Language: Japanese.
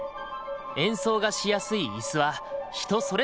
演奏がしやすいイスは人それぞれだ。